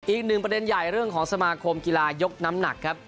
อีกหนึ่งประเด็นใหญ่เรื่องของสมาคมกีฬายกน้ำหนักครับ